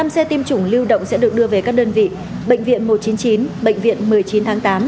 một mươi xe tiêm chủng lưu động sẽ được đưa về các đơn vị bệnh viện một trăm chín mươi chín bệnh viện một mươi chín tháng tám